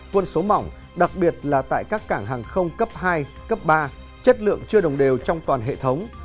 quân số mỏng đặc biệt là tại các cảng hàng không cấp hai cấp ba chất lượng chưa đồng đều trong toàn hệ thống